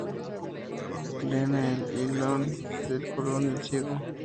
Drena el íleon, el colon y el ciego.